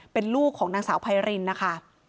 เป็นลูกของนางสาวไพรินนะคะ